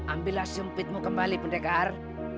ambillah sumpitmu kembali pendekar